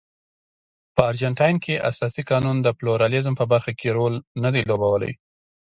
په ارجنټاین کې اساسي قانون د پلورالېزم په برخه کې رول نه دی لوبولی.